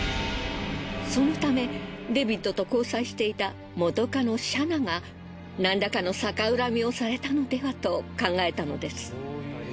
そのためデビッドと交際していた元カノシャナがなんらかの逆恨みをされたのではと考えたのです。